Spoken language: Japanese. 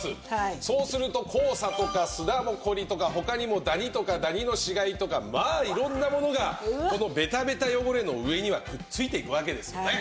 そうすると黄砂とか砂ぼこりとか他にもダニとかダニの死骸とかまあ色んなものがこのベタベタ汚れの上にはくっついているわけですよね。